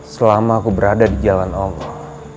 selama aku berada di jalan allah